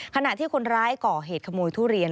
ขณะที่คนร้ายก่อเหตุขโมยทุเรียน